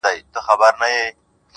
و تاته د جنت حوري غلمان مبارک.